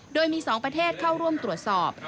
โดยมี๒ประเทศเข้าร่วมตรวจสอบ